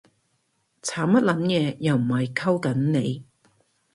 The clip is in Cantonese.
慘乜撚嘢？，又唔係溝緊你